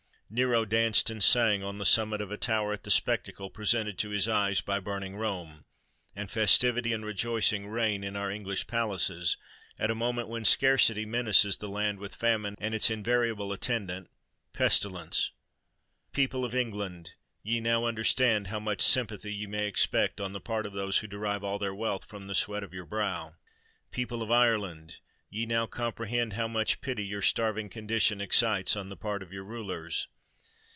Nero danced and sang on the summit of a tower at the spectacle presented to his eyes by burning Rome;—and festivity and rejoicing reign in our English palaces, at a moment when scarcity menaces the land with famine and its invariable attendant—pestilence! People of England! ye now understand how much sympathy ye may expect on the part of those who derive all their wealth from the sweat of your brow! People of Ireland! ye now comprehend how much pity your starving condition excites on the part of your rulers!